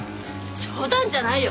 冗談じゃないよ！